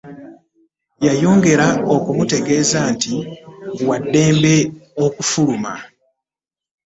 Yayongera n'amutegeeza nti waddembe okufuluma .